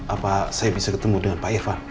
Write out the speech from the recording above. apa saya bisa ketemu dengan pak irfan